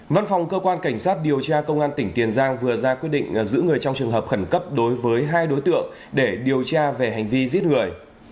văn phòng cơ quan cảnh sát điều tra công an tỉnh tiền giang vừa ra quyết định giữ người trong trường hợp khẩn cấp đối với hai đối tượng để điều tra về hành vi giết người